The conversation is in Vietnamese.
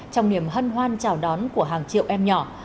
trong niềm hân hoan chào đón của hàng triệu em nhỏ